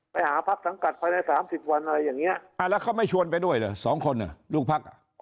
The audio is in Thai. ไปหาพักสังกัดภายใน๓๐วันอะไรอย่างนี้แล้วเขาไม่ชวนไปด้วยเหรอสองคนอ่ะลูกพักอ่ะ